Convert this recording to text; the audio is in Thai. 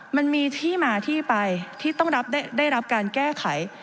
มันมีที่มาที่ไปที่ต้องได้รับการแก้ไข